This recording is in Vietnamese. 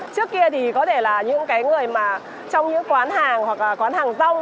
trước kia có thể là những người trong quán hàng quán hàng rong